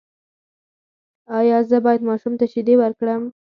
ایا زه باید ماشوم ته شیدې ورکړم؟